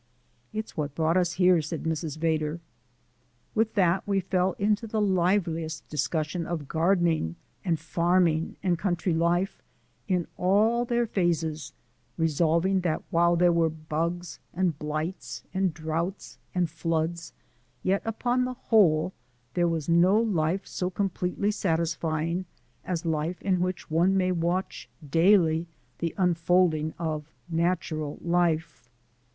"It's what brought us here," said Mrs. Vedder. With that we fell into the liveliest discussion of gardening and farming and country life in all their phases, resolving that while there were bugs and blights, and droughts and floods, yet upon the whole there was no life so completely satisfying as life in which one may watch daily the unfolding of natural life.